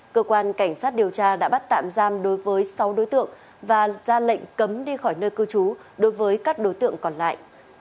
cơ quan cảnh sát điều tra đã bắt tạm giam đối với sáu đối tượng và ra lệnh cấm đi khỏi nơi cư trú đối với các đối tượng còn lại